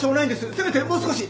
せめてもう少し。